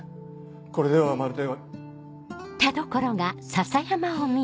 これではまるで。